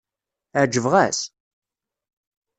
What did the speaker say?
Ɛejbeɣ-as?